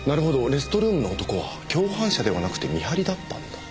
レストルームの男は共犯者ではなくて見張りだったんだ。